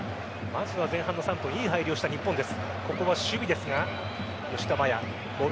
前半の３分いい入りをした日本です。